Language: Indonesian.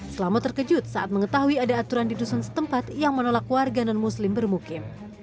selamat terkejut saat mengetahui ada aturan di dusun setempat yang menolak warga non muslim bermukim